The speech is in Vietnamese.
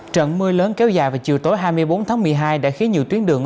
trận mưa lớn kéo dài vào chiều tối hai mươi bốn tháng một mươi hai đã khiến nhiều tuyến đường